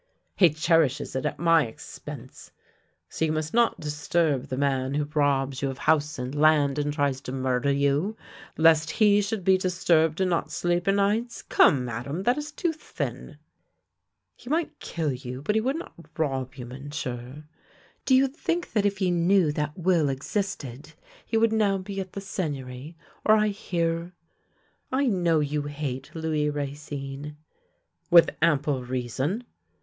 " He cherishes it at my expense. So, you must not disturb the man who robs you of house and land and tries to murder you, lest he should be disturbed and not sleep o' nights. Come, Madame, that is too thin !"" He might kill you, but he would not rob you. Mon sieur. Do you think that if he knevv' that will existed he would be now at the Seigneury, or I here ? I know ,you hate Louis Racine." " With ample reason."